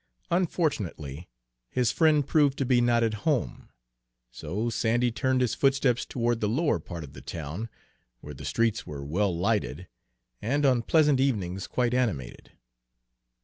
Unfortunately, his friend proved to be not at home, so Sandy turned his footsteps toward the lower part of the town, where the streets were well lighted, and on pleasant evenings quite animated.